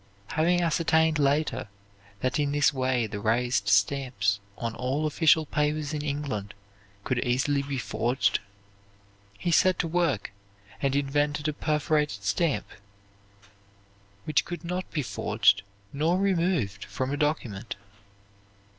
Having ascertained later that in this way the raised stamps on all official papers in England could easily be forged, he set to work and invented a perforated stamp which could not be forged nor removed from a document.